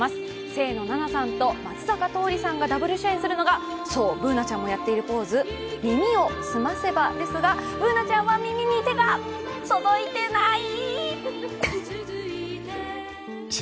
清野菜名さんと松坂桃李さんがダブル主演するのがそう、Ｂｏｏｎａちゃんもやっているポーズ「耳をすませば」ですが、Ｂｏｏｎａちゃんは耳に手が、届いてない。